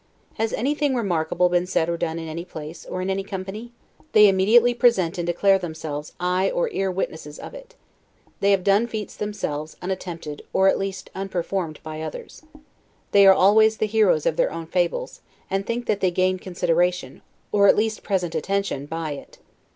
Has anything remarkable been said or done in any place, or in any company? they immediately present and declare themselves eye or ear witnesses of it. They have done feats themselves, unattempted, or at least unperformed by others. They are always the heroes of their own fables; and think that they gain consideration, or at least present attention, by it.